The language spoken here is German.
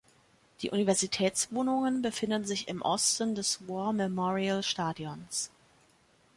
Die Universitätswohnungen befinden sich im Osten des War Memorial Stadions.